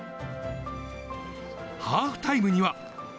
ハーフタイムには。